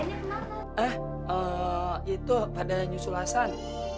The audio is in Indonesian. eh itu pada nyusul hasan